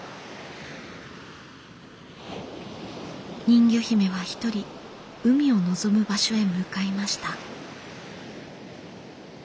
人魚姫はひとり海を望む場所へ向かいました。